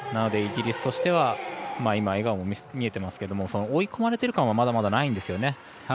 イギリスとしては今、笑顔も見えていますけれども追い込まれている感はまだまだないんですよね。